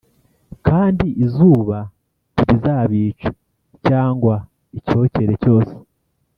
kandi izuba ntirizabica cyangwa icyokere cyose,